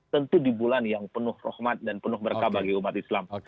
tentu di bulan yang penuh rahmat dan penuh berkah bagi umat islam